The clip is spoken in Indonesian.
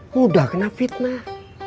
mudah kena fitnah